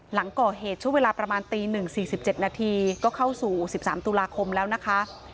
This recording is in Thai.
หลังก่อเหตุช่วงเวลาประมาณตีหนึ่งสี่สิบเจ็ดนาทีก็เข้าสู่สิบสามตุลาคมแล้วนะคะ